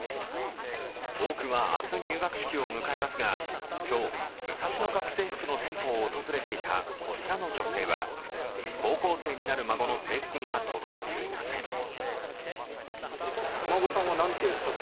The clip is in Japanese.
多くは明日入学式を迎えますが、今日、ムサシノ学生服の店舗を訪れていたこちらの女性は高校生になる孫の制服が届いていません。